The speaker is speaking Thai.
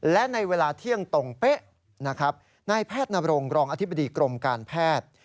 และในเวลาเที่ยงตรงเป๊ะนะครับนายแพทย์นรงรองอธิบดีกรมการแพทย์